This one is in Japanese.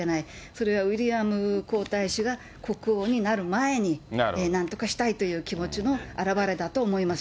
それはウィリアム皇太子が国王になる前に、なんとかしたいという気持ちの表れだと思います。